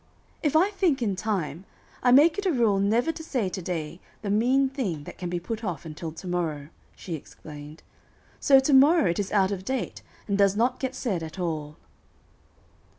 "If I think in time, I make it a rule never to say to day the mean thing that can be put off until to morrow," she explained. "So to morrow it is out of date, and does not get said at all."